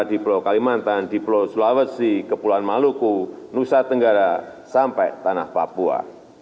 di pulau kalimantan di pulau sulawesi kepulauan maluku nusa tenggara sampai tanah papua